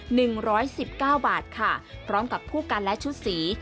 หนึ่งร้อยสิบเก้าบาทค่ะพร้อมกับคู่กันและชุดสี